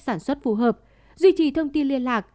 sản xuất phù hợp duy trì thông tin liên lạc